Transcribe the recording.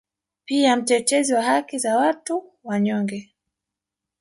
Pia mtetezi wa haki za watu wanyonge